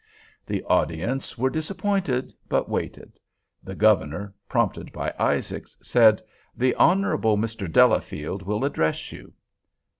The audience were disappointed, but waited. The Governor, prompted by Isaacs, said, "The Honorable Mr. Delafield will address you."